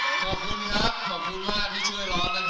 รักของเราจะคงอยู่แสนหลัง